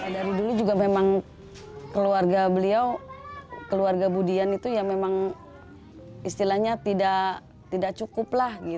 dari dulu juga memang keluarga beliau keluarga budian itu ya memang istilahnya tidak cukup lah